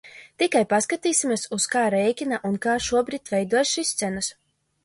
Tikai paskatīsimies, uz kā rēķina un kā šobrīd veidojas šīs cenas.